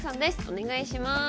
お願いします！